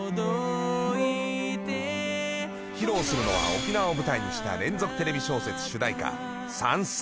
披露するのは沖縄を舞台にした連続テレビ小説の主題歌燦燦。